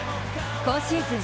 今シーズン